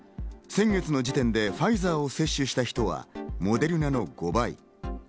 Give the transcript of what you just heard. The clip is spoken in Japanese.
先月の時点でファイザーを接種した人はモデルナの５倍。